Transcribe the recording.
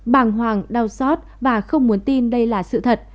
bàng hoàng đau xót và không muốn tin đây là sự thật